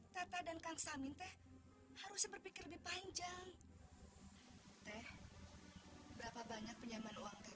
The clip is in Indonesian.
tata dan kaksamin teh harus berpikir lebih panjang teh berapa banyak penyambang uang ke